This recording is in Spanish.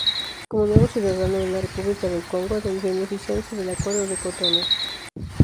Como nuevo ciudadano de la República del Congo, beneficiándose del Acuerdo de Cotonú.